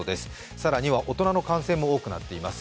更には大人の感染も多くなっています。